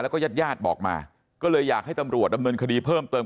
แล้วก็ญาติญาติบอกมาก็เลยอยากให้ตำรวจดำเนินคดีเพิ่มเติม